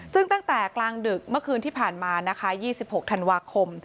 ซึ่งตั้งแต่กลางดึกเมื่อคืนที่ผ่านมานะคะ๒๖ธันวาคม